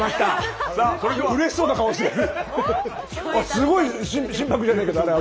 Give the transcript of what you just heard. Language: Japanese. すごい心拍じゃないけどあれ。